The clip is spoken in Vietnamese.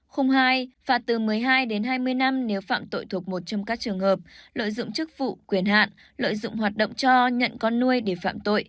khung hai phạt từ một mươi hai đến hai mươi năm nếu phạm tội thuộc một trong các trường hợp lợi dụng chức vụ quyền hạn lợi dụng hoạt động cho nhận con nuôi để phạm tội